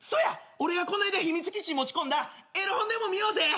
俺がこないだ秘密基地に持ち込んだエロ本でも見ようぜ。